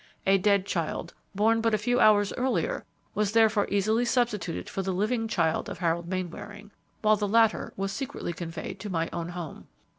A dead child, born but a few hours earlier, was therefore easily substituted for the living child of Harold Mainwaring, while the latter was secretly conveyed to my own home.